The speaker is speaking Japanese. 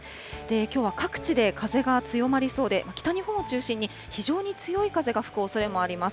きょうは各地で風が強まりそうで、北日本を中心に、非常に強い風が吹くおそれもあります。